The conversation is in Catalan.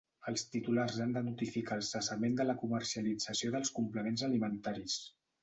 Els titulars han de notificar el cessament de la comercialització dels complements alimentaris.